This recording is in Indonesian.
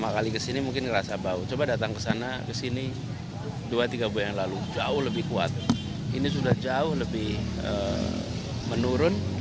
pertama kali kesini mungkin merasa bau coba datang kesana kesini dua tiga buah yang lalu jauh lebih kuat ini sudah jauh lebih menurun